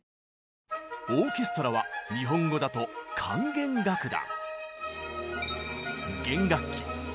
オーケストラは日本語だと管弦楽団。